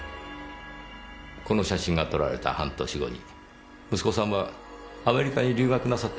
この写真が撮られた半年後に息子さんはアメリカに留学なさってますよね？